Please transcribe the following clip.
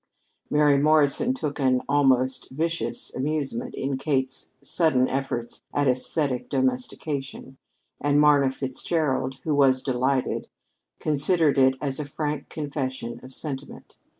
Mary Morrison took an almost vicious amusement in Kate's sudden efforts at aesthetic domestication, and Marna Fitzgerald who was delighted considered it as a frank confession of sentiment.